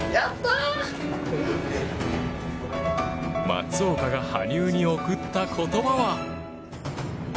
松岡が羽生に贈った言葉は。